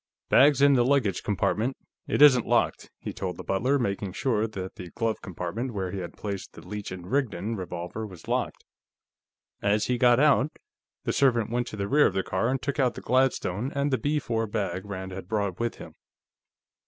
"Bags in the luggage compartment; it isn't locked," he told the butler, making sure that the glove compartment, where he had placed the Leech & Rigdon revolver, was locked. As he got out, the servant went to the rear of the car and took out the Gladstone and the B 4 bag Rand had brought with him.